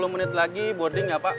tiga puluh menit lagi boarding ya pak